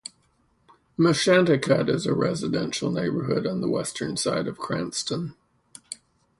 Meshanticut is a residential neighborhood on the western side of Cranston.